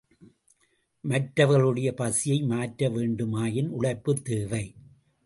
மற்றவர்களுடைய பசியை மாற்ற வேண்டுமாயின் உழைப்பு தேவை.